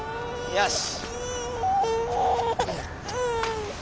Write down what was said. よし。